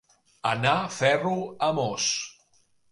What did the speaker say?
Anar ferro a mos.